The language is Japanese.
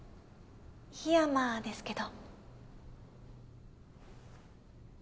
桧山ですけど。